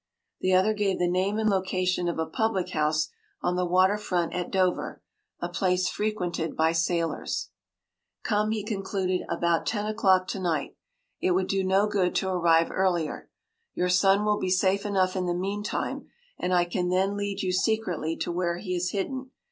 The other gave the name and location of a public house on the water front at Dover—a place frequented by sailors. “Come,” he concluded, “about ten o’clock tonight. It would do no good to arrive earlier. Your son will be safe enough in the meantime, and I can then lead you secretly to where he is hidden.